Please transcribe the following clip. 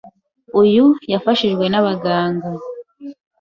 Uyu yafashijwe n’abaganga